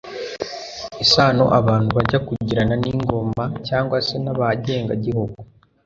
isano abantu bajya kugirana n'ingoma cyangwa se n'abagenga gihugu